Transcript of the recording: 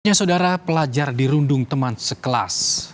banyak saudara pelajar dirundung teman sekelas